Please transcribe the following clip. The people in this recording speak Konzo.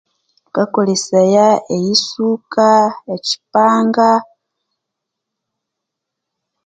Thukakolesaya eyisuka, ekyipanga